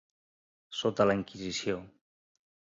Sota la Inquisició.